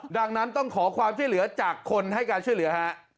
ดังนั้นต้องขอความช่วยเหลือจากคนให้การช่วยเหลือฮะ